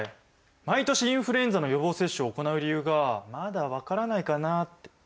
毎年インフルエンザの予防接種を行う理由がまだ分からないかなあって。